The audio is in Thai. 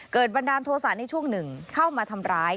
เกิดบันดาลโทษศาสตร์ในช่วงหนึ่งเข้ามาทำร้าย